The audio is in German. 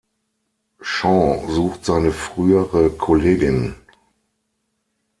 Sean sucht seine frühere Kollegin.